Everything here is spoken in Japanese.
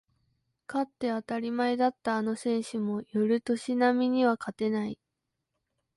勝って当たり前だったあの選手も寄る年波には勝てない